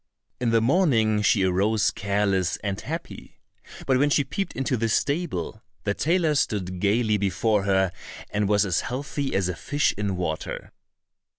In the morning she arose careless and happy, but when she peeped into the stable, the tailor stood gaily before her, and was as healthy as a fish in water.